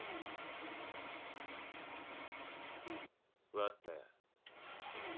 わぁったよ。